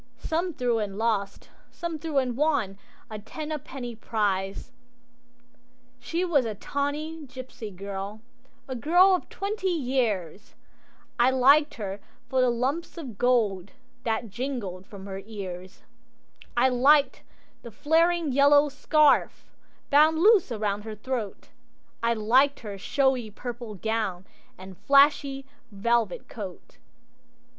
Some threw and lost, some threw and won A ten a penny prize. She was a tawny gipsy girl, A girl of twenty years, I liked her for the lumps of gold That jingled from her ears; I liked the flaring yellow scarf Bound loose around her throat, I liked her showy purple gown And flashy velvet coat.